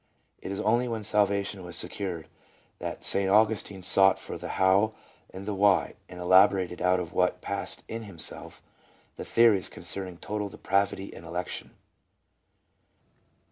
It is only when "Salvation" was secured that St. Augustine sought for the how and the why, and elaborated out of what passed in himself the theories concerning total depravity and election.